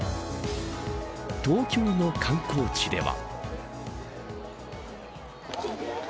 東京の観光地では。